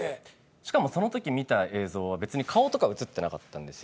しかもその時見た映像は別に顔とか映ってなかったんですよ。